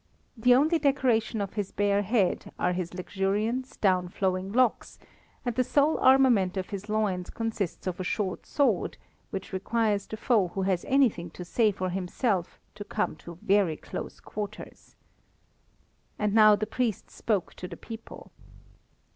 The only decoration of his bare head are his luxuriant, down flowing locks, and the sole armament of his loins consists of a short sword, which requires the foe who has anything to say for himself to come to very close quarters. And now the priest spoke to the people.